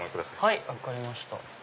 はい分かりました。